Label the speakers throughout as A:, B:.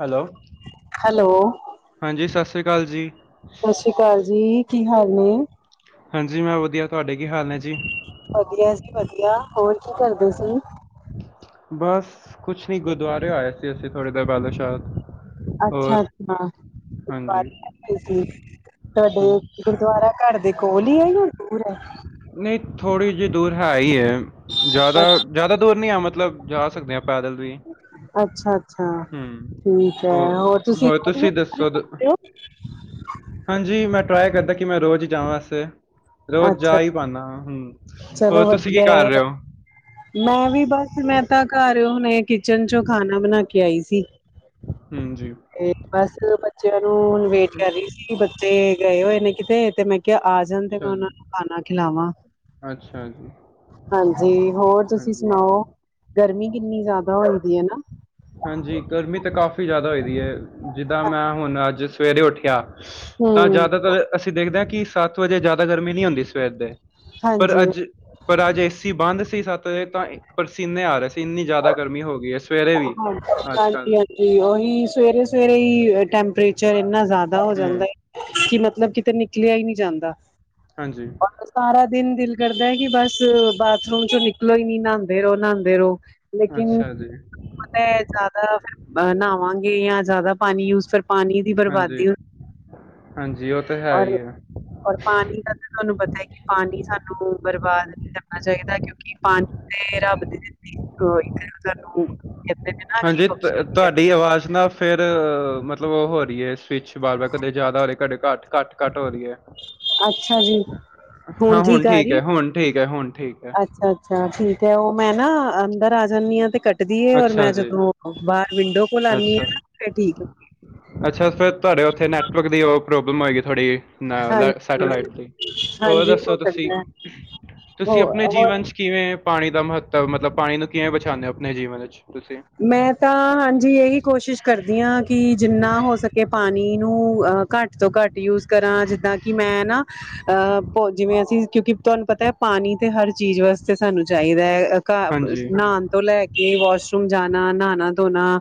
A: Hello
B: hello.
A: ਹਾਂਜੀ ਸਤਿ ਸ੍ਰੀ ਕਾਲ ਜੀ।
B: ਸਤਿ ਸ਼੍ਰੀ ਅਕਾਲ ਜੀ, ਕੀ ਹਾਲ ਨੇ
A: ਹਾਂਜੀ ਮੈਂ ਵਧੀਆ ਤੁਹਾਡੇ ਕੀ ਹਾਲ ਨੇ ਜੀ
B: ਵਧੀਆ ਜੀ, ਵਧੀਆ ਜੀ, ਹੋਰ ਕੀ ਕਰਦੇ ਸੀ?
A: ਬਸ ਕੁਛ ਨੀ ਗੁਰਦੁਆਰੇ ਆਏ ਸੀ ਥੋੜੇ [unintelligible]
B: ਅੱਛਾ, ਅੱਛਾ
A: ਹਾਂਜੀ
B: [unintelligible] ਤੁਹਾਡੇ
A: ਹਾਂ
B: ਗੁਰਦੁਆਰਾ ਘਰ ਦੇ ਕੋਲ ਹੀ ਐ ਜਾਂ ਦੂਰ ਐ
A: ਨਈ ਥੋੜੀ ਜਿਹੀ ਦੂਰ ਹੈ ਹੀ ਐ ਜਿਆਦਾ-
B: ਅੱਛਾ,
A: ਜਿਆਦਾ ਦੂਰ ਨੀਂ ਐ ਮਤਲਬ ਜਾ ਸਕਦੇ ਆ ਪੈਦਲ ਵੀ
B: ਅੱਛਾ-ਅੱਛਾ।
A: ਹੂੰ,
B: ਠੀਕ ਹੈ,
A: ਹੋਰ
B: ਤੁਸੀਂ
A: ਹੋਰ
B: ਰੋਜ਼
A: ਤੁਸੀ
B: ਗੁਰਦੁਆਰੇ
A: ਦੱਸੋ
B: ਜਾਂਦੇ ਹੋ?
A: ਹਾਂਜੀ ਮੈ ਟਰਾਈ ਕਰਦਾ ਕਿ ਮੈ ਰੋਜ਼ ਹੀ ਜਾਵਾ ਵੈਸੇ ਰੋਜ਼
B: ਅੱਛਾ,
A: ਜਾ ਹੀ ਪਾਣਾ, ਹੂੰ
B: ਚਲੋ
A: ਹੋਰ ਤੁਸੀਂ ਕੀ
B: ਵਧੀਆ ਐ
A: ਕਰ ਰਹੇ ਹੋ
B: ਮੈਂ ਵੀ ਬਸ ਮੈਂ ਤਾਂ ਘਰ ਹੁਣੇ ਕਿਚਨ ਚੋ ਖਾਣਾ ਬਣਾ ਕੇ ਆਈ ਸੀ।
A: ਹਾਂਜੀ
B: ਇਹ ਬਸ ਬੱਚਿਆਂ ਨੂੰ ਵੇਟ ਕਰ ਰਹੀ ਸੀ ਬੱਚੇ ਗਏ ਹੋਏ ਨੇ ਕਿਤੇ ਤੇ ਮੈਂ ਕ ਕਿਹਾ ਆ ਜਾਣ ਦੇ ਮੈਂ
A: ਅੱਛਾ
B: ਉਹਨਾ
A: ਜੀ
B: ਨੂੰ ਖਾਣਾ ਖਿਲਾਵਾ
A: ਅੱਛਾ ਜੀ
B: ਹਾਂਜੀ, ਹੋਰ ਤੁਸੀ
A: ਹਾਂਜੀ
B: ਸੁਣਾਓ ਗਰਮੀ ਕਿਨੀ ਜਿਆਦਾ ਹੋਈ ਪਈ ਏ। ਨਾ-
A: ਹਾਂਜੀ, ਗਰਮੀ ਤਾਂ ਕਾਫੀ ਜਿਆਦਾ ਹੋਈ ਦੀ ਹੈ। ਜਿਦਾ ਮੈ ਹੁਣ ਅੱਜ ਸਵੇਰੇ ਉਠਿਆ- ਤਾਂ
B: ਹੂੰ,
A: ਜਿਆਦਾਤਰ ਅਸੀ ਦੇਖਦੇ ਹਾਂ। ਕਿ ਸੱਤ ਵਜੇ ਜ਼ਿਆਦਾ ਗਰਮੀ ਨਹੀ ਹੁੰਦੀ ਸਵੇਰ ਦੇ- ਪਰ
B: ਹਾਂਜੀ
A: ਅੱਜ,
B: ਹਾਂ
A: ਪਰ ਅੱਜ ਏਸੀ ਬੰਦ ਸੀ ਸਤ ਵਜੇ ਤਾਂ ਪਸੀਨੇ ਆ ਰਹੇ ਸੀ। ਇਨੀ ਜਿਆਦਾ ਗਰਮੀ ਹੋ ਗਈ ਹੈ। ਸਵੇਰੇ ਵੀ- ਅੱਜ ਕੱਲ੍ਹ
B: ਹਾਂਜੀ -ਹਾਂਜੀ ਉਹੀ ਸਵੇਰੇ, ਸਵੇਰੇ ਹੀ ਟੈਂਪਰੇਚਰ ਇਨਾ ਜਿਆਦਾ ਹੋ ਜਾਦਾ
A: ਹੂੰ
B: ਹੈ। ਕਿ ਮਤਲਬ ਕਿਤੇ ਨਿਕਲਿਆ ਹੀ ਨਹੀ ਜਾਂਦਾ-
A: ਹਾਂਜੀ-
B: ਸਾਰਾ ਦਿਨ ਦਿਲ ਕਰਦਾ ਹੈ। ਕਿ ਬੱਸ ਬਾਥਰੂਮ ਚੋਂ ਨਿਕਲੋ ਹੀ ਨੀ ਨਹਾਦੇ ਰਹੋ ਨਹਾਦੇ ਰਹੋ-
A: ਅੱਛਾ ਜੀ-
B: ਮੈਂ ਜਿਆਦਾ ਫ ਨਾਂਵਾਗੇ ਜਾਂ ਜਿਆਦਾ ਪਾਣੀ ਯੂਜ ਫ- ਪਾਣੀ ਦੀ
A: ਹਾਂਜੀ
B: ਬਰਬਾਦੀ,
A: ਹਾਂਜੀ ਉਹ ਤਾਂ ਹੈ
B: ਔਰ
A: ਹੀ ਹੈ
B: ਰ ਪਾਣੀ- ਇਹ ਤੇ ਤੁਹਾਨੂੰ ਪਤਾ ਹੈ। ਕਿ ਪਾਣੀ ਸਾਨੂੰ ਬਰਬਾਦ ਨਹੀ ਕਰਨਾ ਚਾਹੀਦਾ ਕਿਉ- ਪਾਣੀ ਦੇ ਰੱਬ ਦੇ ਸਾਨੂੰ- [inaudible] ਨੇ ਨਾ ਕਿ
A: ਹਾਂਜੀ,
B: ਬਖਸ਼ਿਸ਼ ਹੈ।
A: ਤੁਹਾਡੀ ਆਵਾਜ ਨਾ ਫੇਰ ਮਤਲਬ ਉਹ- ਇਹ ਸਵਿਚ ਵਾਰ -ਵਾਰ ਕਦੇ ਜਿਆਦਾ ਹੋਵੇ ਕਦੇ ਘੱਟ- ਘੱਟ -ਘੱਟ ਵਧੀਆ
B: ਅੱਛਾ ਜੀ।
A: ਹੈ। ਹਾਂ ਹੁਣ ਠੀਕ ਹੈ। ਹੁਣ ਠੀਕ ਹੈ। ਹੁਣ ਠੀਕ ਹੈ।
B: ਅੱਛਾ ਠੀਕ ਹੈ। ਉਹ ਮੈ ਨਾ ਅੰਦਰ ਆ ਜਾਨੀਆਂ ਤੇ ਘਟ- ਟਦੀ ਹੈ ਔਰ
A: ਅੱਛਾ
B: ਮੈ
A: ਜੀ,
B: ਜਦੋ ਬਾਹਰ ਵਿਡੋ ਕੋਲ ਆ ਨੀ
A: ਅੱਛਾ।
B: ਹਾਂ ਫੇਰ ਠੀਕ-
A: ਅੱਛਾ ਫੇਰ ਤੁਹਾਡੇ ਉਥੇ ਨੈਟਵਰਕ ਦੀ ਉਹ ਪ੍ਰੋਬਲਮ ਹੋਏਗੀ। ਥੋੜੀ - ਨਾਲ
B: ਹਾਂਜੀ-ਹਾਂਜੀ
A: ਸੈਟੇਲਾਈਟ, ਤੇ ਹੋਰ
B: ਹੋ
A: ਦੱਸੋ ਤੁਸੀ,
B: ਸਕਦਾ ਹੈ ਹੋ
A: ਤੁਸੀ ਆਪਣੇ
B: ਹੋਰ
A: ਜੀਵਨ ਚ- ਕਿਵੇ ਪਾਣੀ ਦਾ ਮਹੱਤਵ, ਮਤਲਬ ਪਾਣੀ ਨੂੰ ਕਿਵੇ ਬਚਾਦੇ ਹੋ, ਆਪਣੇ ਜੀਵਨ ਵਿਚ-
B: ਮੈ ਤਾਂ ਹਾਂਜੀ ਇਹੀ ਕੋਸ਼ਿਸ਼- ਕਰਦੀ ਹਾ। ਕਿ ਜਿਨਾ ਹੋ ਸਕੇ ਪਾਣੀ ਨੂੰ ਅ ਘੱਟ ਤੋਂ ਘੱਟ ਯੂਜ ਕਰਾ ਜਿਦਾ - ਕਿ ਮੈ ਨਾ- ਅਹ ਪੋ ਜਿਵੇ ਅਸੀ ਕਿਉਕਿ ਤੁਹਾਨੂੰ ਪਤਾ ਹੈ। ਪਾਣੀ ਤੇ ਹਰ ਚੀਜ ਵਾਸਤੇ ਸਾਨੂੰ ਚਾਹੀਦਾ ਹੈ। ਘ
A: ਹਾਂਜੀ,
B: ਨਹਾਉਣ ਤੋਂ ਲੈਕੇ ਵਾਸ਼ਰੂਮ ਜਾਣਾ ਨਹਾਣਾ ਧੋਣਾ-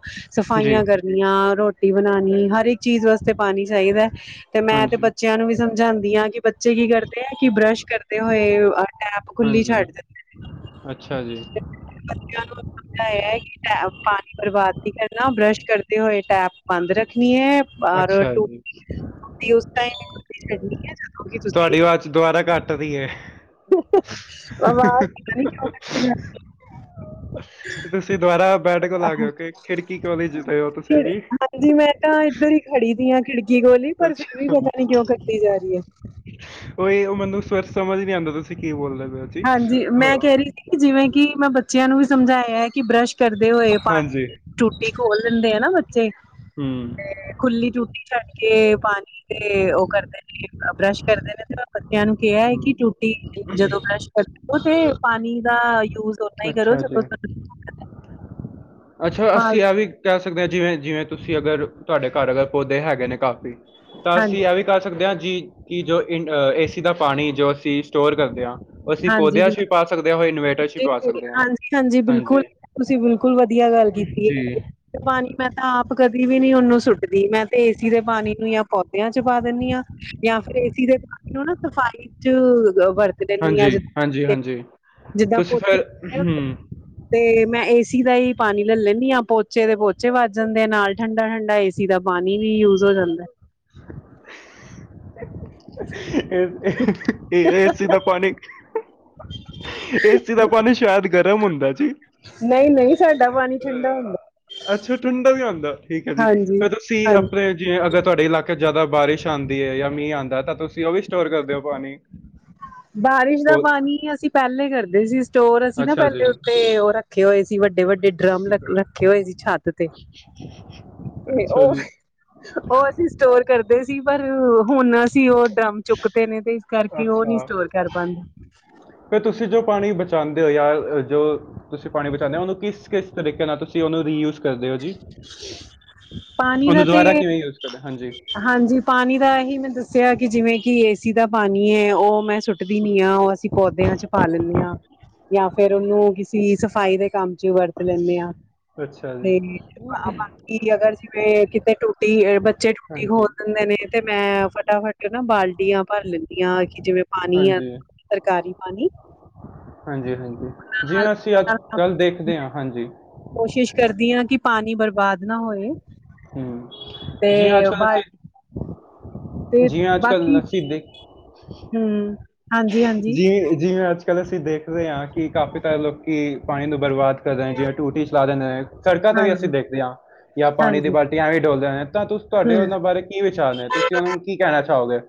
A: ਜੀ,
B: ਸਫ਼ਾਈਆਂ, ਕਰਨੀਆਂ ਰੋਟੀ ਬਣਾਉਣੀ, ਹਰੇਕ ਚੀਜ ਵਾਸਤੇ ਪਾਣੀ ਚਾਹੀਦਾ- ਤੇ ਮੈ ਤੇ
A: ਹਾਂਜੀ,
B: ਬੱਚਿਆਂ ਨੂੰ ਵੀ ਸਮਝਾਉਦੀ ਹਾਂ। ਕਿ ਬ- ਬੱਚੇ ਕੀ ਕਰਦੇ ਆ। ਕਿ ਬਰਸ਼ ਕਰਦੇ ਹੋਏ ਅਹ ਟੈਪ ਖੁੱਲੀ
A: ਹਾਂਜੀ।
B: ਛੱਡ ਦਿਦੇ-
A: ਅੱਛਾ ਜੀ-
B: ਬੱਚਿਆਂ ਨੂੰ ਸਮਝਾਯਾ। ਪਾਣੀ ਬਰਬਾਦ ਨਹੀ ਕਰਨਾ, ਬਰਸ਼ ਕਰਦੇ ਹੋਏ ਟੈਪ ਬੰਦ ਰੱਖਣੀ ਹੈ। ਔਰ
A: ਅੱਛਾ ਜੀ-
B: ਟੂਟੀ ਉਸ ਤ ਕੋ ਕਰਨੀ ਹੈਦੋ ਕਿ ਤੁਸੀ
A: ਤੁਹਾਡੀ ਆਵਾਜ਼ ਦੁਬਾਰਾ ਕੱਟ ਰਹੀ ਏ।
B: [unintelligible] ਆਵਾਜ [unintelligible]
A: ਤੁਸੀਂ ਦੁਬਾਰਾ ਬੈਡ ਕੋਲ ਆਕੇ
B: ਜਾ
A: ਰੁਕੇ ਖਿੜਕੀ ਕੋਲ ਜਿਤੇ ਹੋ ਤੁਸੀ
B: ਕਿਹੜੇ
A: ਜੀ-
B: ਹਾਂਜੀ ਮੈ ਤਾਂ ਇਧਰ ਹੀ ਖੜੀ ਦੀ ਹਾਂ, ਖਿੜਕੀ ਕੋਲ ਹੀ ਪਰ ਫਿਰ ਵੀ ਪਤਾ ਨੀ ਕਿਉ ਕਟੀ ਜਾ ਰਹੀ ਹੈ।
A: ਉਹਹੀ ਉਹ ਮੈਨੂੰ ਸਮਝ ਨਹੀ ਆਂਉਦਾ ਤੁਸੀ ਕੀ ਬੋਲਦੇ ਪਏ ਹੋ- ਜੀ।
B: ਹਾਂਜੀ, ਮੈ ਕਹਿ ਰਹੀ
A: ਅਹ,
B: ਸੀ ਕਿ ਜਿਵੇ ਕਿ ਮੈ ਬੱਚਿਆਂ ਨੂੰ ਵੀ ਸਮਝਾਇਆ ਕਿ ਬਰੱਸ਼- ਕਰਦੇ ਹੋਏ,
A: ਹਾਂਜੀ,
B: ਪਾਣੀ ਦੀ ਟੂਟੀ ਖੋਲ ਦਿੰਦੇ ਆ ਨਾ ਬੱਚੇ।
A: ਹੂੰ।
B: ਤੇ ਖੁੱਲੀ ਟੂਟੀ ਛੱਡ ਕੇ, ਪਾਣੀ ਤੇ ਓ ਕਰਦੇ ਨੇ ਬਰੱਸ਼ ਕਰਦੇ ਨੇ, ਤੇ ਬੱਚੇਆਂ ਨੂੰ ਕੇਆ ਐ, ਕਿ
A: ਹੂੰ
B: ਟੂਟੀ ਜਦੋ ਬਰੱਸ਼ ਉਸ ਪਾਨੀ ਦਾ ਯੂਸ ਓਨਾ ਹੀ ਕਰੋ
A: ਅੱਛਾ ਜੀ
B: ਜਦੋਂ ਤੱਕ
A: ਅੱਛਾ,
B: ਹਾਂ
A: ਅਸੀ ਐ ਵੀ ਕੈ ਸਕਦੇ ਆ ਜਿਵੇਂ, ਜਿਵੇਂ ਤੁਸੀਂ ਅਗਰ ਤੁਆਡੇ ਘਰ ਅਗਰ ਪੌਦੇ ਹੈਗੇ ਨੇ ਕਾ ਫੀ ਤਾ
B: ਹਾਂਜੀ
A: ਅਸੀ ਐ ਕਰ ਸਕਦੇ ਆ ਜੀ ਕਿ ਜੋ ਏ ਸੀ ਦਾ ਪਾਣੀ ਜੋ ਅਸੀ ਸਟੋਰ ਕਰਦੇ ਆ। ਅਸੀਂ
B: ਹਾਂਜੀ
A: ਪੌਦੇਆਂ ਚ' ਵੀ ਪਾ ਸਕਦੇ ਆ, ਓ ਇਨਵੇਟਰ ਚ' ਵੀ ਪਾ
B: ਬਿਲਕੁਲ
A: ਸਕਦੇ ਆ।
B: ਹਾਂਜੀ ਬਿਲਕੁਲ
A: ਹਾਂਜੀ।
B: ਤੁਸੀਂ ਬਿਲਕੁਲ ਵਦੀਆ ਗੱਲ ਕੀਤੀ ਏ,
A: ਜੀ
B: ਪਾਣੀ ਮੈ ਆਪ ਕਦੀ ਵੀ ਨੀ ਓਨੂੰ ਸੁੱਟਦੀ ਮੈਂ ਤੇ ਏਸੀ ਦੇ ਪਾਣੀ ਨੂੰ ਯਾ ਪੌਦੇਆਂ ਚ' ਪਾ ਦਿੰਨੀ ਆ। ਯਾ ਫਿਰ ਏਸੀ ਦੇ ਪਾਣੀ ਨੂੰ ਨਾ ਸਫਾਈ ਚ' ਵਰਤਦੇ
A: ਹਾਂਜੀ, ਹਾਂਜੀ, ਹਾਂਜੀ, ਤੁਸੀਂ ਫੇਰ,
B: ਪੋਚੇ
A: ਹੂੰ।
B: ਤੇ ਮੈ ਏਸੀ ਦਾ ਈ ਪਾਣੀ ਲਲ ਲੈਨੀ ਆ, ਪੋਚੇ ਦੇ ਪੋਚੇ ਵੱਜ ਜਾਂਦੇ ਐ ਤੇ ਨਾਲ ਠੰਡਾ ਠੰਡਾ ਏ ਸੀ ਦਾ ਪਾਣੀ ਵੀ ਯੂਸ ਹੋ ਜਾਂਦਾ।
A: ਏਸੀ ਦਾ ਪਾਣੀ। ਏ ਸੀ ਦਾ ਪਾਣੀ ਸ਼ੈਦ ਗਰਮ ਹੁੰਦਾ। ਜੀ
B: ਨਈ-ਨਈ, ਸਾਡਾ ਪਾਣੀ ਠੰਡਾ ਹੁੰਦਾ।
A: ਅ ਅੱਛਾ, ਠੰਡਾ ਵੀ ਹੁੰਦਾ, ਠੀਕ ਐ ਜੀ,
B: ਹਾਂਜੀ
A: ਫਿਰ ਤੁਸੀ
B: ਹਾਂਜੀ
A: ਅਪਨੇ ਜਿਵੇ ਅਗਰ ਤੁਆਡੇ ਇਲਾਕੇ ਚ' ਜਾਦਾ ਬਾਰਿਸ਼ ਆਂਦੀ ਐ ਯਾ ਮੀਂਹ ਆਂਦਾ ਤਾਂ ਤੁਸੀ ਓ ਵੀ ਸਟੋਰ ਕਰਦੇ ਓ ਪਾਣੀ।
B: ਬਾਰਿਸ਼ ਦਾ
A: ਬਹੁਤ
B: ਪਾਣੀ ਅਸੀਂ ਪੈਲੇ ਕਰਦੇ ਸੀ ਸ ਸਟੋਰ, ਅਸੀ ਨਾ
A: ਅੱਛਾ ਜੀ
B: ਪੈਲੇ ਉੱਤੇ ਓ ਰੱਖੇ ਹੋਏ ਸੀ, ਵੱਡੇ- ਵੱਡੇ ਡਰਮ ਰੱਖੇ ਹੋਏ ਸੀ ਛੱਤ ਤੇ।
A: [unintelligible]
B: ਤੇ
A: ਅੱਛਾ
B: ਓਹ
A: ਜੀ
B: ਓ ਅਸੀ ਸਟੋਰ ਕਰਦੇ ਸੀ ਪਰ ਹੁਣ ਅਸੀ ਓ ਡਰਮ ਚੁੱਕ ਤੇ ਨੇ ਤੇ ਇਸ ਕਰਕੇ ਓ ਨਈ। ਸਟੋਰ ਕਰ ਪਾਂ
A: ਫੇ ਤੁਸੀਂ ਜੋ ਪਾਣੀ ਬਚ ਚਾਂਦੇ ਓ ਯਾਰ ਜੋ ਤੁਸੀ ਪਾਣੀ ਬਚਾਂਦੇ ਓ, ਓਨੂੰ ਕਿਸ ਕਿਸ ਤਰੀਕੇ ਨਾਲ ਤੁਸੀ ਓਨੂੰ ਰੀਯੁ ਸ ਕਰਦੇ ਓ ਜੀ।
B: ਪਾਣੀ ਦਾ
A: ਓਨੂੰ ਦੋਵਾਰਾ
B: ਤੇ
A: ਕਿਵੇ
B: ਹਾਂਜੀ ਪਾਣੀ ਦਾ ਹੀ ਮੈ ਦੱਸਿਆ ਕਿ ਜਿਵੇ ਕਿ ਏਸੀ ਦਾ ਪਾਨੀ ਏ ਓ ਮੈ ਟੁੱਟਦੀ ਨੀ ਆ ਓ ਅਸੀ ਪੌਦਿਆਂ ਚ' ਪਾ ਲੈਨੇ ਆ ਯਾ ਫੇਰ ਓਨੂੰ ਕਿਸੇ ਸਫਾਈ ਦੇ ਕੰਮ ਵਿੱਚ ਵਰਤ ਲੈਨੇ ਆ।
A: ਅੱਛਾ
B: ਤੇ
A: ਜੀ
B: ਆਪਾ ਕਿ ਅਗਰ ਜਿਵੇਂ ਕਿਤੇ ਟੁੱਟੀ ਬੱਚੇ ਟੁੱਟੀ
A: ਹਾਂਜੀ
B: ਖੋਲ ਦਿੰਦੇ ਨੇ। ਤੇ ਮੈਂ ਫਟਾਫਟ ਨਾ ਬਾਲਟੀਆ ਪਰ ਲੈਦੀ ਆ ਕਿ ਜਿਵੇਂ ਪਾਨੀ ਆ
A: ਹਾਂਜੀ
B: ਸਰਕਾਰੀ ਪਾਣੀ।
A: ਹਾਂਜੀ- ਹਾਂਜੀ,
B: ਨਾਲ
A: ਜਿਵੇਂ ਅਸੀਂ ਅੱਜ-ਕੱਲ ਦੇਖਦੇ ਆ, ਹਾਂਜੀ।
B: ਕੋਸ਼ਿਸ਼ ਕਰਦੀ ਆ ਕਿ ਪਾਨੀ ਬਰਬਾਦ ਨਾ ਹੋਏ।
A: ਹੂੰ
B: ਤੇ ਬਾਲ
A: ਜੀਵੇ ਅੱਜ-ਕੱਲ ਅਸੀ ਦੇ
B: ਹੂੰ
A: ਜੀਵ- ਜਿਵੇ ਅੱਜ ਅੱਜ-ਕੱਲ ਅਸੀ ਦੇਖਦੇ ਆ ਕਿ ਕਾਫੀ ਤਾਰ ਲੋਕੀ ਪਾਣੀ ਨੂੰ ਬਰਬਾਦ ਕਰਦੇ ਜਿਵੇ ਟੂਟੀ ਚਲਾ ਦਿੰਦੇ ਨੇ। ਸੜਕਾ ਤੇ ਵੀ ਅਸੀਂ
B: ਹਾਂਜੀ
A: ਦੇਖਦੇ ਆ। ਯਾ ਪਾਣੀ ਦੀ
B: ਹਾਂਜੀ
A: ਬਾਲਟੀਆਂ ਐਵੇ ਈ ਡੋਲਦੇ ਨੇ ਤਾ ਤੁਸ ਤੁਆਡੇ
B: ਹੂੰ,
A: ਓਨਾਂ ਬਾਰੇ ਕੀ ਵਿਚਾਰ ਨੇ? ਤੁਸੀਂ ਓਨਾਂ ਨੂੰ ਕੀ ਕੈਣਾ ਚਾਓਗੇ।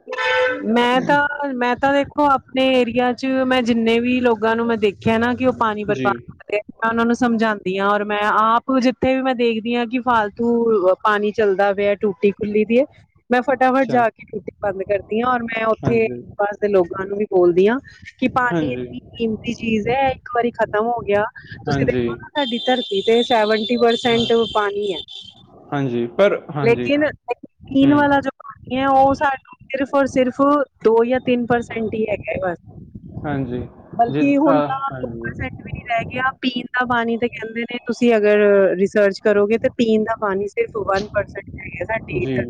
B: ਮੈਂ ਤਾ, ਮੈਂ ਤਾ ਵੇ ਖੋ ਉਹ ਆਪਣੇ ਏਰੀਆ ਚ' ਮੈਂ ਜਿੰਨੇ ਵੀ ਲੋਗਾ ਨੂੰ ਮੈ ਦੇਖੇਆ ਨਾ ਕਿ ਓ ਪਾਣੀ
A: ਜੀ
B: ਬਰਬਾਦ ਕਰਦੇ ਮੈਂ ਓਨਾਂ ਨੂੰ ਸਮਝਾਂਦੀ ਆ ਔਰ ਮੈਂ ਆਪ ਜਿੱਥੇ ਵੀ ਮੈ ਦੇਖਦੀ ਹਆ ਕਿ ਫਾਲਤੂ ਅ ਪਾਨੀ ਚੱਲਦਾ ਪੇਐ, ਟੂਟੀ ਖੁੱਲੀ ਦੀ ਏ, ਮੈਂ ਫਟਾਫਟ
A: ਅੱਛਾ
B: ਜਾ ਕੇ ਟੂਟੀ ਬੰਦ ਕਰਦੀ ਆ ਔਰ ਮੈਂ ਓਥੇ
A: ਹਾਂਜੀ
B: ਪਾਸ ਦੇ ਲੋਗਾ ਨੂੰ ਵੀ ਬੋਲਦੀ ਆ, ਕਿ ਪਾਨੀ
A: ਹਾਂਜੀ
B: ਇੰਨੀ ਕੀਮ ਤੀ ਚੀਜ ਐ, ਇੱਕ ਵਾਰੀ ਖਤਮ ਹੋ ਗੇਆ, ਤੁਸੀਂ
A: ਹਾਂਜੀ
B: ਦੇਖੋ ਨਾ ਸਾਡੀ ਧਰਤੀ ਤੇ ਸੈਵਨ ਤੀ
A: ਹਾਂ
B: ਪਰਸੈਂਟ ਪਾਨੀ ਐ।
A: ਹਾਂਜੀ ਪਰ ਹਾਂਜੀ
B: ਲੇਕਿਨ ਪੀਨ ਵਾਲਾ
A: ਹੂੰ
B: ਜੋ ਓ ਸਾਨੂੰ ਸਿਰਫ ਔਰ ਸਿਰਫ ਦੋ ਯਾ ਤਿੰਨ ਪਰਸੈਂਟ ਹੀ ਹੈਗਾ ਏ ਬਸ।
A: ਹਾਂਜੀ ਜਿ
B: ਬਲਕਿ ਹੁਨ
A: ਅ,
B: ਤਾਂ ਦੋ
A: ਹਾਂਜੀ
B: ਰਹ ਗਿਆ ਪੀਨ ਦਾ ਪਾਨੀ ਤਾਂ ਕੈਂਦੇ ਨੇ, ਤੁਸੀ ਅਗਰ ਰਿਸਰਚ ਕਰੋਗੇ ਤੇ ਪੀਨ ਦਾ ਪਾਨੀ ਸਿਰਫ ਵਨ ਪਰਸੈਂਟ ਹੈਗਾ ਸਾਡੀ
A: ਜੀ,
B: ਇੱਧਰ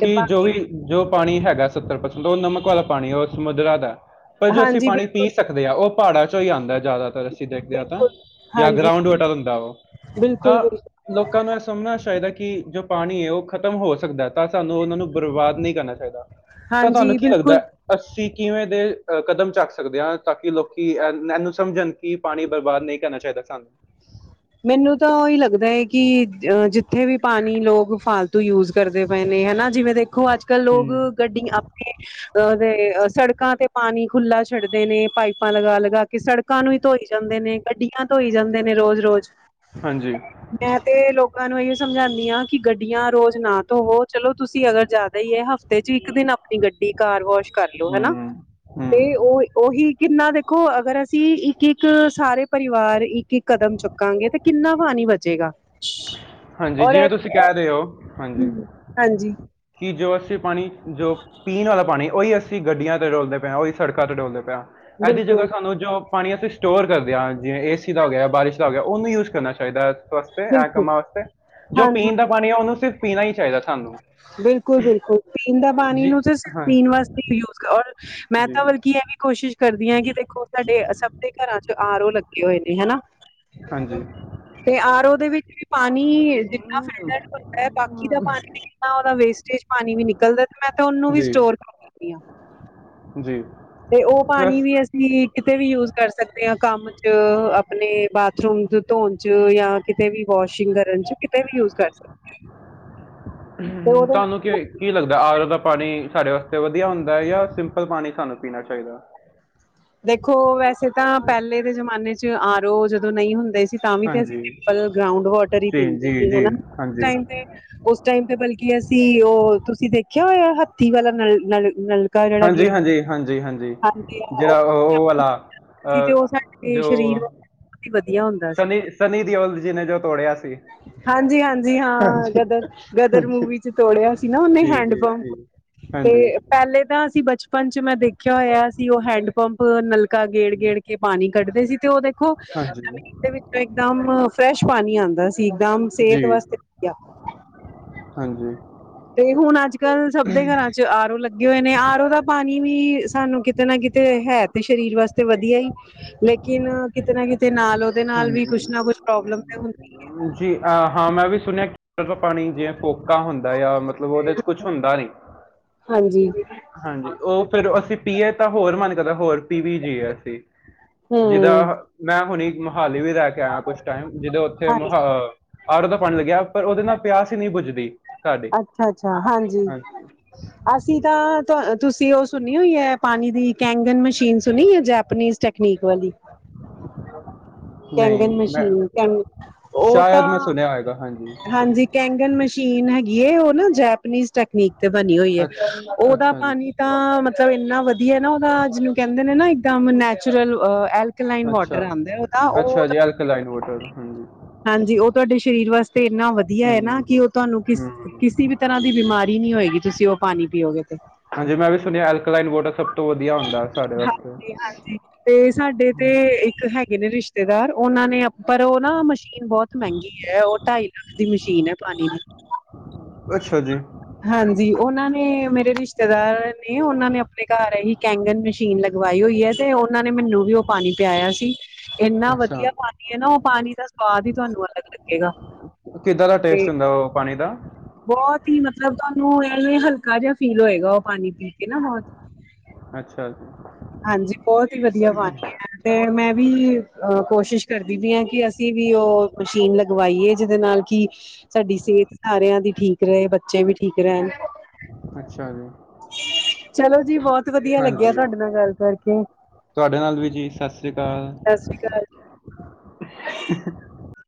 B: ਤੇ
A: ਜੋ
B: ਬਾਕੀ
A: ਵੀ ਜੋ ਪਾਨੀ ਹੈਗਾ ਸੱਤਰ ਪਰਸੈਂਟ ੳਹ ਨਮਕ ਵਾਲਾ ਪਾਨੀ ੳਹ ਸਮੁੰਦਰਾ ਦਐ, ਪਰ ਜੋ ਅਸੀ
B: ਹਾਂਜੀ
A: ਪਾਨੀ
B: ਬਿਲਕੁਲ
A: ਪੀਨ ਸਕਦੇ ਆ ੳਹ ਪਹਾੜਾਂ ਚੋਂ ਹੀ ਆਂਦਾ ਜਾਦਾਤਰ ਅਸੀ ਦੇਖਦੇ ਆ ਤਾਂ,
B: ਬਿਲਕੁਲ
A: ਜਾਂ
B: ਹਾਂਜੀ
A: ਗਰਾਉਂਡ ਵਾਟਰ ਹੁੰਦਾ ੳਹ।
B: ਬਿਲਕੁਲ
A: ਤਾਂ
B: ਬਿਲਕੁਲ
A: ਲੋਕਾਂ ਨੂੰ ਏਹ ਸਮਨਾ ਚਾਈਦਾ ਕਿ ਜੋ ਪਾਨੀ ਏ ੳਹ ਖ਼ਤਮ ਹੋ ਸਕਦਾ ਤਾਂ ਸਾਨੂੰ ੳਨਾਂ ਨੂੰ ਬਰਬਾਦ ਨਈ ਕਰਨਾ ਚਾਈਦਾ ਤਾਂ ਤਾਨੂੰ
B: ਹਾਂਜੀ
A: ਕੀ
B: ਬਿਲਕੁਲ
A: ਲੱਗਦਾ ਅਸੀ ਕਿਵੇਂ ਦੇ ਕਦਮ ਚੱਕ ਸਕਦੇ ਆਂ ਤਾਂਕੀ ਲੋਕੀ ਏਨ ਏਨੂੰ ਸਮਝਨ। ਕੀ ਪਾਨੀ ਬਰਬਾਦ ਨਈ ਕਰਨਾ ਚਾਈਦਾ ਸਾਨੂੰ।
B: ਮੈਨੂੰ ਤਾਂ ੳਈ ਲੱਗਦਾ ਏ ਕਿ ਅ ਜਿੱਥੇ ਵੀ ਪਾਨੀ ਲੋਕ ਫਾਲਤੂ ਯੂਜ ਕਰਦੇ ਪਏ ਨੇ ਹੈਨਾ। ਜਿਵੇਂ ਦੇਖੋ ਅੱਜ-ਕਲ ਲੋਗ
A: ਹੂੰ
B: ਗੱਡੀ ਅਪਨੇ ਆ ਦੇ ਸੜਕਾਂ ਤੇ ਪਾਨੀ ਖੁਲਾ ਛੱਡਦੇ ਨੇ ਪਾਈਪਾਂ ਲਗਾ- ਲਗਾ ਕੇ, ਸੜ ਲੋਕਾਂ ਨੂੰ ਹੀ ਧੋਈ ਜਾਂਦੇ ਨੇ ਗੱਡੀਆਂ ਧੋਈ ਜਾਂਦੇ ਨੇ ਰੋਜ਼ ਰੋਜ਼।
A: ਹਾਂਜੀ।
B: ਮੈਂ ਤੇ ਲੋਕਾਂ ਨੂੰ ਏਹੀੳ ਸਮਝਾਂਦੀ ਆ ਕਿ ਗੱਡੀਆਂ ਰੋਜ਼ ਨਾ ਧੋਵੋ, ਚਲੋ ਤੁਸੀ ਅਗਰ ਜਾਦਾ ਈ ਏ ਹਫ਼ਤੇ ਚ ਇਕ ਦਿਨ ਅਪਣੀ ਗੱਡੀ ਘਰ ਵਾਸ਼ ਕਰਲੋ, ਹੈਨਾ।
A: ਹੂੰ ਹੂੰ
B: ਤੇ ੳ ੳਹੀ ਕਿੰਨਾ ਦੇਖੋ ਅਗਰ ਅਸੀ ਇੱਕ-ਇੱਕ ਸਾਰੇ ਪਰਿਵਾਰ ਇੱਕ- ਇੱਕ ਕਦਮ ਚਕ ਕਾਂਗੇ ਤੇ ਕਿੰਨਾ ਪਾਨੀ ਬਚੇਗਾ।
A: ਹਾਂਜੀ
B: ਔਰ ਇਹ
A: ਜਿਵੇਂ ਤੁਸੀਂ ਕੈ
B: ਹੂੰ,
A: ਰਏ ੳ, ਹਾਂਜੀ।
B: ਹਾਂਜੀ
A: ਕਿ ਜੋ ਅਸੀ ਪਾਨੀ, ਜੋ ਪੀਨ ਵਾਲਾ ਪਾਨੀ ੳਹੀ ਅਸੀ ਅਸੀ ਗੱਡੀਆਂ ਤੇ ਡੋਲਦੇ ਪਏ ਆਂ, ੳਹੀ ਸੜਕਾਂ ਤੇ ਡੋਲਦੇ ਪੇ ਆਂ ਏਦੀ ਜਗਾ
B: ਬਿਲਕੁਲ
A: ਸਾਨੂੰ ਜੋ ਪਾਨੀ ਅਸੀ ਸਟੋਰ ਕਰਦੇ ਆਂ ਜਿਵੇਂ ਏਸੀ ਦਾ ਹੋ ਗਿਆ, ਬਾਰਿਸ਼ ਦਾ ਹੋ ਗਿਆ, ੳਨੂੰ ਯੂਜ ਕਰਨਾ ਚਾਈਦਾ ਏਸ ਵਾਸਤੇ, ਐਂ
B: ਬਿਲਕੁਲ
A: ਕੰਮਾਂ ਵਾਸਤੇ, ਜੋ
B: ਹਾਂਜੀ
A: ਪੀਨ ਦਾ ਪਾਨੀ ੳਨੂੰ ਸਿਰਫ ਪੀਨਾ ਈ ਚਾਈਦਾ ਸਾਨੂੰ।
B: ਬਿਲਕੁਲ ਬਿਲਕੁਲ, ਪੀਨ ਦਾ ਪਾਨੀ
A: ਜੀ
B: ਨੂੰ ਤੇ ਸਿਰਫ਼ ਪੀਨ
A: ਹਾਂਜੀ
B: ਵਾਸਤੇ ਯੂਜ ਔਰ ਮੈਂ
A: ਜੀ
B: ਤਾਂ ਬਲਕਿ ਏਹ ਵੀ ਕੋਸ਼ਿਸ਼ ਕਰਦੀ ਆਂ ਕਿ ਦੇਖੋ ਸਾਡੇ ਸਭ ਦੇ ਘਰਾਂ ਚ ਆਰੋ ਲੱਗੇ ਹੋਏ ਨੇ ਹੈਨਾ।
A: ਹਾਂਜੀ
B: ਤੇ ਆਰੋ ਦੇ ਵਿੱਚ ਪਾਨੀ ਜਿਨਾ ਫਿਲਟਰ ਹੁੰਦਾ, ਬਾਕੀ ਦਾ ਪਾਨੀ ੳਦਾ ਵੇਸਟੇਜ ਪਾਨੀ ਵੀ ਨਿਕਲਦਾ ਤੇ ਮੈਂ ਤਾਂ ੳਨੂੰ ਵੀ
A: ਜੀ
B: ਸਟੋਰ ਕਰ ਲੈਨੀ ਆ।
A: ਜੀ।
B: ਤੇ ੳਹ ਪਾਨੀ
A: ਬਸ
B: ਵੀ ਅ ਅਸੀ ਕਿਤੇ ਵੀ ਯੂਸ ਕਰ ਸਕਦੇ ਆ ਕੰਮ ਚ ਅਪਣੇ ਬਾਥਰੂਮ ਚ ਧੋਣ ਚ ਜਾਂ ਕਿਤੇ ਵੀ ਵਾਸ਼ਿੰਗ ਕਰਨ ਚ ਕਿਤੇ ਵੀ ਯੂਸ ਕਰ ਸਕਦੇ ਤੇ
A: ਹੂੰ,
B: ਉਹਦੇ
A: ਤੁਹਾਨੂੰ
B: ਨਾਲ
A: ਕਿ ਲੱਗਦਾ ਆਰੋ ਦਾ ਪਾਨੀ ਸਾਡੇ ਵਾਸਤੇ ਵਧੀਆ ਹੁੰਦਾ ਏ ਜਾਂ ਸਿੰਪਲ ਪਾਨੀ ਸਾਨੂੰ ਪੀਨਾ ਚਾਈਦਾ।
B: ਦੇਖੋ ਵੈਸੇ ਤਾਂ ਪੈਲੇ ਦੇ ਜਮਾਨੇ ਚ ਆਰੋ ਜਦੋਂ ਨਈ ਹੁੰਦੇ ਸੀ ਤਾਂ ਵੀ ਤੇ ਅਸੀ
A: ਹਾਂਜੀ
B: ਸਿੰਪਲ ਗਰਾਉਂਡ ਵਾਟਰ ਈ
A: ਜੀ
B: ਪੀਂਦੇ
A: ਜੀ
B: ਸੀਗੇ
A: ਜੀ
B: ਨਾ।
A: ਹਾਂਜੀ
B: ੳਸ ਟਾਈਮ ਤੇ ਬਲਕਿ ਅਸੀ ੳਹ ਤੁਸੀ ਦੇਖੇਆ ਹੋਏਆ ਹੱਥੀ ਵਾਲਾ ਨਲ ਨਲ ਨਲਕਾ ਜਿਹੜਾ
A: ਹਾਂਜੀ
B: ਗੇੜਦੇ
A: ਹਾਂਜੀ,
B: ਸੀ
A: ਹਾਂਜੀ ਹਾਂਜੀ, ਜੇੜਾ ੳਹ ੳਹ ਵਾਲਾ ਅ ਜੋ
B: ਕੀ ਵਧੀਆ ਹੁੰਦਾ ਸੀ
A: ਸਨੀ ਸਨੀ ਦਿਓਲ ਜੀ ਨੇ ਜੋ ਤੋੜਿਆ ਸੀ।
B: ਹਾਂਜੀ ਹਾਂਜੀ ਹਾਂ,
A: ਹਾਂਜੀ
B: ਗਦਰ ਗਦਰ
A: ਹਾਂਜੀ
B: ਮੂਵੀ ਚ ਤੋੜੇਆ ਸੀ ਨਾ ੳਨੇ
A: ਜੀ
B: ਹੈਂਡ
A: ਜੀ
B: ਪੰਪ।
A: ਜੀ
B: ਤੇ
A: ਹਾਂਜੀ
B: ਪੈਲੇ ਤਾਂ ਅਸੀ ਬਚਪਨ ਚ, ਮੈਂ ਦੇਖਿਆ ਹੋਇਆ ਸੀ ੳਹ ਹੈਂਡ ਪੰਪ ਨਲਕਾ ਨੱਕਾ
A: ਹੂੰ,
B: ਗੇੜ-ਗੇੜ ਕੇ ਪਾਣੀ ਕੱਢਦੇ ਸੀ ਤੇ ਓ ਦੇਖੋ
A: ਹਾਂਜੀ
B: ਉਹਦੇ ਵਿੱਚੋਂ ਇਕਦਮ ਫਰੈਸ਼ ਪਾਣੀ ਆਂਦਾ ਸੀ ਇੱਕਦਮ ਸੇਹਤ
A: ਜੀ
B: ਵਾਸਤੇ ਵਧੀਆ
A: ਹਾਂਜੀ।
B: ਤੇ ਹੁਣ ਅੱਜ-ਕੱਲ ਸਭ ਦੇ ਘਰਾਂ 'ਚ ਆਰੋ ਲੱਗੇ ਹੋਏ ਨੇ ਆਰੋ ਦਾ ਪਾਣੀ ਵੀ ਸਾਨੂੰ ਕਿਤੇ ਨਾ ਕਿਤੇ ਹੈ ਤੇ ਸਰੀਰ ਵਾਸਤੇ ਵਧੀਆ ਹੀ ਲੇਕਿਨ ਕਿਤੇ ਨਾ ਕਿਤੇ ਨਾਲ, ਉਦੇ ਨਾਲ ਵੀ ਕੁਛ ਨਾ ਕੁਛ ਪ੍ਰੋਬਲਮ ਤੇ ਹੁੰਦੀ।
A: ਹਾਂਜੀ, ਆ ਹਾਂ ਮੈਂ ਵੀ ਸੁਣਿਆ। ਫਿਲਟਰ ਦਾ ਪਾਣੀ ਜੇਵੇ ਫੋਕਾ ਹੁੰਦਾ ਆ, ਮਤਲਬ ਉਦੇ 'ਚ ਕੁਛ ਹੁੰਦਾ ਨੀ।
B: ਹਾਂਜੀ ਜੀ ਜੀ।
A: ਹਾਂਜੀ, ਓ ਫੇਰ ਅਸੀਂ ਪੀਏ, ਤਾਂ ਹੋਰ ਮਨ ਕਰਦਾ ਹੋਰ ਪੀ ਵੀ ਜੀਏ। ਅਸੀਂ
B: ਹਮ
A: ਜਿਦਾਂ ਮੈਂ ਹੁਣੀ ਮੋਹਾਲੀ ਵੀ ਰਹਿ ਕੇ ਆਇਆ, ਕੁਛ ਟਾਈਮ ਜਦੋਂ, ਓਥੇ
B: ਹਾਂਜੀ
A: ਮਹ ਆਰੋ ਤਾਂ ਬਣ ਗਿਆ। ਪਰ ਉਦੇ ਨਾਲ ਪਿਆਸ ਹੀ ਨੀ ਬੁਜਦੀ।
B: ਅੱਛਾ-ਅੱਛਾ, ਹਾਂਜੀ। ਅਸੀਂ ਤਾਂ, ਤੁਸੀਂ ਓ ਸੁਣੀ ਹੋਈ ਆ। ਪਾਣੀ ਦੀ ਕੈਂਗਨ ਮਸ਼ੀਨ ਸੁਣੀ ਆ। ਜੈਪਨੀਜ਼ ਟੈ ਤਕਨੀਕ, ਵਾਲੀ। ਕੈਂਗਨ
A: ਨਹੀਂ ਮੈਂ
B: ਮਸ਼ੀਨ ਕੈਗਨ, ਓ
A: ਸ਼ਾਇਦ
B: ਤਾਂ,
A: ਮੈਂ ਸੁਣਿਆ ਹੋਏਗਾ ਹਾਂਜੀ
B: ਹਾਂਜੀ। ਕੈਂਗਨ ਮਸ਼ੀਨ ਹੈਗੀ ਏ। ਓ ਨਾ ਜੈਪਨੀਜ਼ ਟੈਕਨੀਕ ਤੇ ਬਣੀ ਹੋਈ ਆ।
A: ਅੱਛਾ
B: ਉਦਾ
A: ਅੱਛਾ ਜੀ
B: ਪਾਣੀ ਤਾਂ ਮਤਲਬ ਇੰਨਾ ਵਧੀਆ ਨਾ ਉਦਾ, ਜਿਨੂੰ ਕਹਿੰਦੇ ਨੇ ਨਾ ਇਕਦਮ ਨੈਚੁਰਲ ਅਹ ਇੱਕ ਲਾਈਨ
A: ਅੱਛਾ
B: ਵੋਟਰ ਆਂਦਾ ਉਦਾਂ ਓ
A: ਅੱਛਾ
B: ਤਾਂ
A: ਜੀ ਐਲਕਲਾਈਨ ਵਾਟਰ ਹਾਂਜੀ
B: ਹਾਂਜੀ, ਓ ਤੁਹਾਡੇ ਸਰੀਰ ਵਾਸਤੇ ਇੰਨਾ ਵਧੀਆ ਆ ਨਾ।
A: ਹੂੰ
B: ਕਿ ਓ ਤੁਹਾਨੂੰ ਕਿਸ
A: ਹੂੰ
B: ਕਿਸੀ ਵੀ ਤਰ੍ਹਾਂ ਦੀ ਬਿਮਾਰੀ ਨੀ ਹੋਏਗੀ। ਤੁਸੀਂ ਓ ਪਾਣੀ ਪੀਓਗੇ। ਤੇ
A: ਹਾਂਜੀ, ਮੈਂ ਵੀ ਸੁਣਿਆ ਅਲਕੋਲਾਈਨ ਵੋਟਰ, ਸਭ ਤੋਂ ਵਧੀਆ ਹੁੰਦਾ। ਸਾਡੇ ਵਾਸਤੇ
B: ਹਾਂਜੀ, ਹਾਂਜੀ ਤੇ ਸਾਡੇ ਤੇ ਇੱਕ ਹੈਗੇ ਨੇ ਰਿਸ਼ਤੇਦਾਰ, ਉਨਾਂ ਨੇ ਪਰ ਓ ਨਾ ਮਸ਼ੀਨ ਬਹੁਤ ਮਹਿੰਗੀ। ਹੈਗੀ ਆ ਓ, ਢਾਈ ਲੱਖ ਦੀ ਮਸ਼ੀਨ ਆ। ਪਾਣੀ ਦੀ
A: ਅੱਛਾ ਜੀ।
B: ਹਾਂਜੀ, ਉਨਾਂ ਨੇ, ਮੇਰੇ ਰਿਸ਼ਤੇ ਰਿਸ਼ਤੇਦਾਰ ਨੇ, ਉਨਾਂ ਨੇ ਆਪਣੇ ਘਰ ਇਹੀ ਕੈਂਗਨ, ਮਸ਼ੀਨ ਲਗਵਾਈ ਹੋਈ ਆ। ਤੇ ਉਨਾਂ ਨੇ ਮੈਨੂੰ ਵੀ ਓ ਪਾਣੀ ਪਿਆਇਆ ਸੀ। ਏਨਾ
A: ਅੱਛਾ
B: ਵਧੀਆ ਪਾਣੀ ਆ ਨਾ ਓ ਪਾਣੀ ਦਾ ਸਵਾਦ ਹੀ ਤੁਹਾਨੂੰ ਅਲੱਗ ਲੱਗੇਗਾ।
A: ਕਿੱਦਾਂ ਦਾ
B: ਤੇ
A: ਟੇਸਟ ਹੁੰਦਾ? ਓ, ਪਾਣੀ ਦਾ
B: ਬਹੁਤ ਹੀ ਮਤਲਬ, ਤੁਹਾਨੂੰ ਇਹਵੇਂ ਹਲਕਾ ਜਿਹਾ ਫੀਲ ਹੋਏਗਾ। ਓ ਪਾਣੀ ਪੀ ਕੇ ਨਾ ਬਹੁਤ
A: ਅੱਛਾ ਜੀ
B: ਹਾਂਜੀ, ਬਹੁਤ ਹੀ ਵਧੀਆ, ਪਾਨੀ ਆ ਤੇ ਮੈਂ ਵੀ ਕੋਸ਼ਿਸ਼ ਕਰਦੀ ਪਈ ਆ ਕਿ ਅਸੀਂ ਵੀ ਓ ਮਸ਼ੀਨ ਲਗਵਾਈਏ ਜੇਦੇ ਨਾਲ ਕਿ ਸਾਡੀ ਸਿਹਤ ਸਾਰਿਆਂ ਦੀ ਠੀਕ ਰਹੇ। ਬੱਚੇ ਵੀ ਠੀਕ ਰਹਿਣ
A: ਅੱਛਾ ਜੀ।
B: ਚਲੋ ਜੀ, ਬਹੁਤ ਵਧੀਆ, ਲੱਗਿਆ
A: ਹਾਂਜੀ
B: ਤੁਹਾਡੇ ਨਾਲ ਗੱਲ ਕਰਕੇ
A: ਤੁਹਾਡੇ ਨਾਲ ਵੀ ਜੀ, ਸਤਿ ਸ੍ਰੀ ਅਕਾਲ।
B: ਸਤਿ ਸ੍ਰੀ ਅਕਾਲ